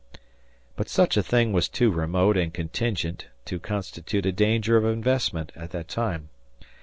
But such a thing was too remote and contingent to constitute a danger of investment at that time.